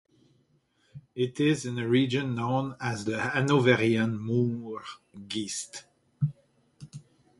It is in a region known as the Hanoverian Moor Geest.